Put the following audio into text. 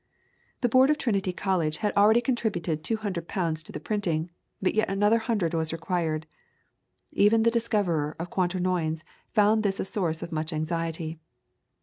The Board of Trinity College had already contributed 200 pounds to the printing, but yet another hundred was required. Even the discoverer of Quaternions found this a source of much anxiety.